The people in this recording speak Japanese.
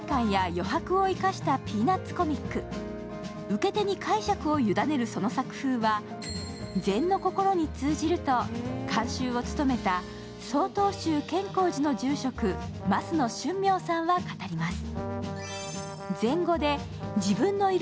受け手に解釈を委ねるその作風は禅の心に通じると、監修を務めた曹洞宗建功寺の住職、枡野俊明さんは語ります。